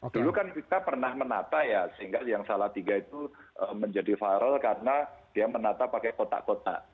dulu kan kita pernah menata ya sehingga yang salah tiga itu menjadi viral karena dia menata pakai kotak kotak